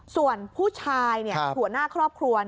ส่วนผู้ชายหัวหน้าครอบครัว